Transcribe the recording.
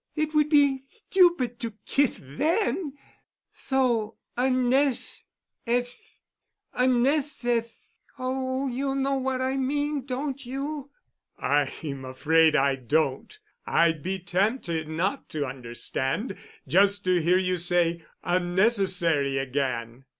It would be thtupid to kith then—tho unneth eth—unneth eth—oh, you know what I mean, don't you?" "I'm afraid I don't. I'd be tempted not to understand, just to hear you say 'unnecessary' again."